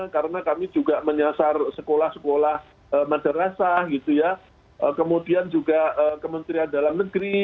karena kami juga menyasar sekolah sekolah madrasah kemudian juga kementerian dalam negeri